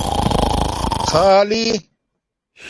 خآلی